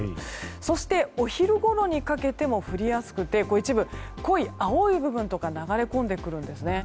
そして、お昼ごろにかけても降りやすくて一部、濃い青い部分とか流れ込んでくるんですね。